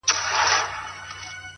قدم اخله- قدم کيږده- قدم واخله-